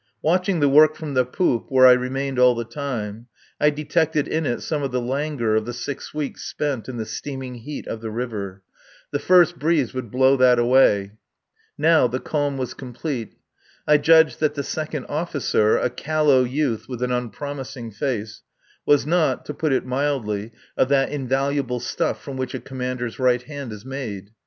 Watching the work from the poop, where I remained all the time, I detected in it some of the languor of the six weeks spent in the steaming heat of the river. The first breeze would blow that away. Now the calm was complete. I judged that the second officer a callow youth with an unpromising face was not, to put it mildly, of that invaluable stuff from which a commander's right hand is made.